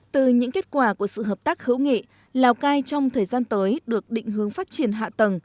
từ những kết quả của sự hợp tác hữu nghị lào cai trong thời gian tới được định hướng phát triển hạ tầng